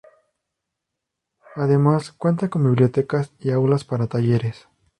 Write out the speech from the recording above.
Además, cuenta con biblioteca y aulas para talleres.